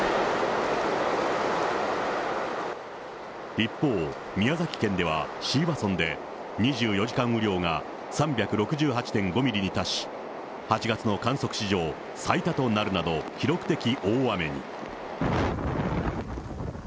一方、宮崎県では椎葉村で２４時間雨量が３６８．５ミリに達し、８月の観測史上最多となるなど、記録的大雨に。